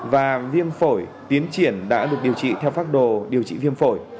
và viêm phổi tiến triển đã được điều trị theo pháp đồ điều trị viêm phổi